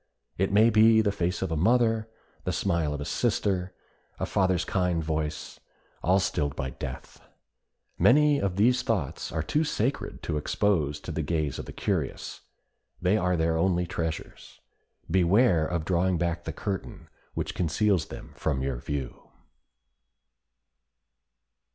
It may be the face of a mother, the smile of a sister, a father's kind voice, all stilled by death. Many of these thoughts are too sacred to expose to the gaze of the curious; they are their only treasures; beware of drawing back the curtain which conceals them from your view.